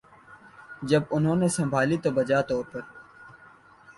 جب انہوں نے سنبھالی تو بجا طور پہ